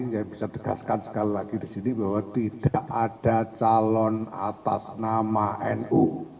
saya bisa tegaskan sekali lagi di sini bahwa tidak ada calon atas nama nu